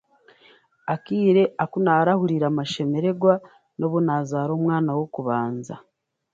Akiare akunaarahuriire amashemererwa n'obunaazaara omwana w'okubanza.